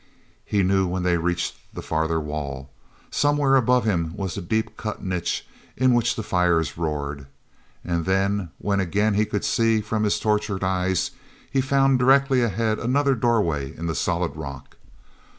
He knew when they reached the farther wall. Somewhere above him was the deep cut niche in which the fires roared. And then, when again he could see from his tortured eyes, he found directly ahead another doorway in the solid rock.